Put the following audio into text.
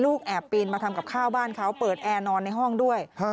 แอบปีนมาทำกับข้าวบ้านเขาเปิดแอร์นอนในห้องด้วย